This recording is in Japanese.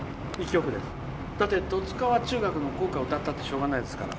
だって、新十津川中学の校歌歌ったってしょうがないですから。